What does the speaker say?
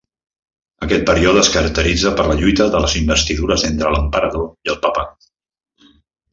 Aquest període es caracteritza per la lluita de les investidures entre l'Emperador i el Papa.